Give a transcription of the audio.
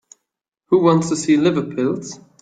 Who wants to see liver pills?